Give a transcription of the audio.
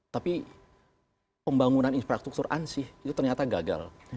tapi pembangunan infrastruktur ansih itu ternyata gagal